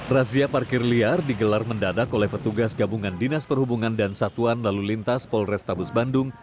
razia parkir liar digelar mendadak oleh petugas gabungan dinas perhubungan dan satuan lalu lintas polrestabus bandung